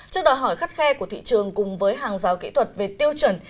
trước đòi hỏi khắt khe của thị trường cùng với hàng rào kỹ thuật về tiêu chuẩn